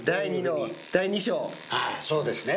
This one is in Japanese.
あぁそうですね。